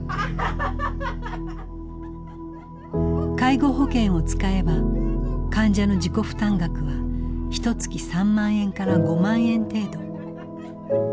介護保険を使えば患者の自己負担額はひとつき３万円から５万円程度。